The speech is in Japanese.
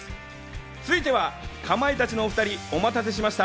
続いては、かまいたちのお２人、お待たせいたしました。